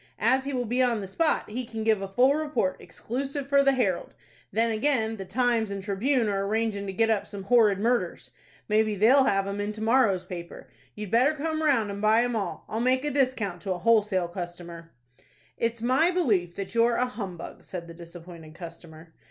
As he will be on the spot, he can give a full report, exclusive for the 'Herald'! Then again, the 'Times' and 'Tribune' are arrangin' to get up some 'horrid murders.' Maybe they'll have 'em in to morrow's paper. You'd better come round, and buy 'em all. I'll make a discount to a wholesale customer." "It's my belief that you're a humbug," said the disappointed customer.